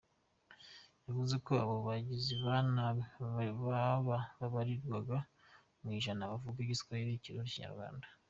Yavuze ko abo bagizi ba nabi babarirwaga mu ijana bavuga igiswahili, ikirundi n’ikinyarwanda.